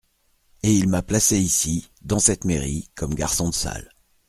Et il m’a placé ici, dans cette mairie, comme garçon de salle.